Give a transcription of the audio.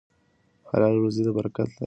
حلاله روزي د برکت لاره ده.